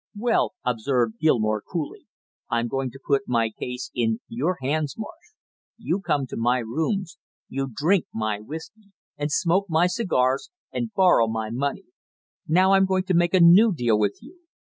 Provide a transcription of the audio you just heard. "Well," observed Gilmore coolly, "I'm going to put my case in your hands, Marsh; you come to my rooms, you drink my whisky, and smoke my cigars and borrow my money; now I'm going to make a new deal with you.